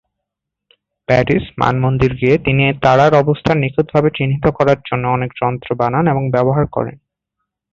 Paris মানমন্দিরে গিয়ে তিনি তারার অবস্থান নিখুঁতভাবে চিহ্নিত করার জন্য অনেক যন্ত্র বানান এবং ব্যবহার করেন।